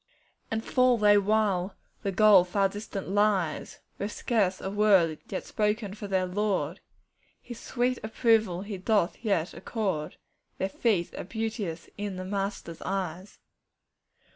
'And fall they while the goal far distant lies, With scarce a word yet spoken for their Lord His sweet approval He doth yet accord; Their "feet" are beauteous in the Master's eyes.